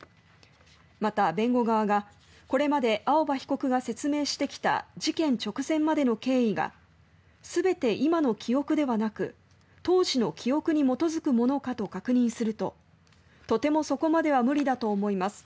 また、弁護側がこれまで青葉被告が説明してきた事件直前までの経緯が全て今の記憶ではなく当時の記憶に基づくものかと確認するととてもそこまでは無理だと思います